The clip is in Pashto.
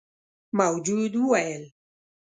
موجود وويل: